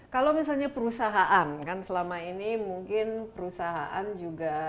kalau misalnya perusahaan kan selama ini mungkin perusahaan juga